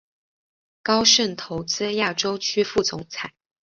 高盛投资亚洲区副总裁。